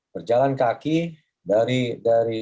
berjalan kaki dari dari